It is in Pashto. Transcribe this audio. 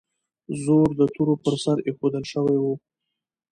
زور د تورو پر سر ایښودل شوی و.